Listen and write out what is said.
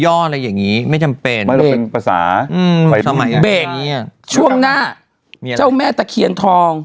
ย่ออะไรอย่างงี้ไม่จำเป็นมันเป็นภาษาอืมช่วงหน้าเจ้าแม่ตะเคียนทอง